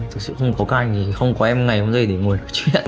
thực sự không có các anh thì không có em ngày hôm nay để ngồi nói chuyện